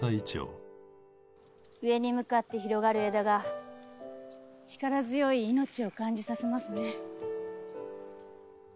上に向かって広がる枝が力強いいのちを感じさせますね。